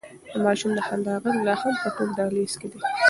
د ماشوم د خندا غږ لا هم په ټول دهلېز کې دی.